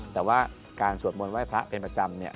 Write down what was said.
แต่ว่าการสวดมนต์ไห้พระเป็นประจำเนี่ย